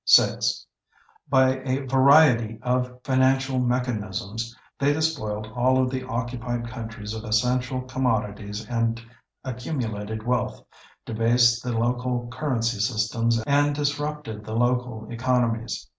6. By a variety of financial mechanisms, they despoiled all of the occupied countries of essential commodities and accumulated wealth, debased the local currency systems and disrupted the local economies.